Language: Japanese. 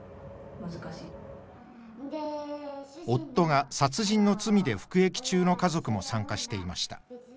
夫が殺人の罪で服役中の家族も参加していました。